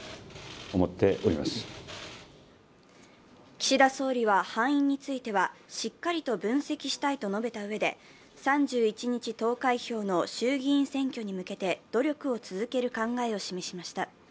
岸田総理は敗因についてはしっかりと分析したいと述べた上で、３１日投開票の衆議院選挙に向けて努力を続ける考えを示しました。